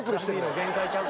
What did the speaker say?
限界ちゃうか？